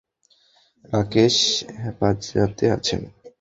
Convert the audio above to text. রাকেশ হেফাজতে আছে।